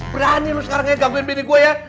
berani lo sekarang gangguin bini gua ya